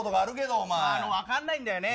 あの、分かんないんだよね。